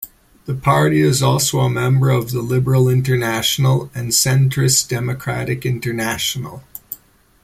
The party is also a member of the Liberal International and Centrist Democrat International.